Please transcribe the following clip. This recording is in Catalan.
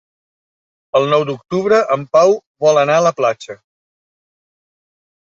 El nou d'octubre en Pau vol anar a la platja.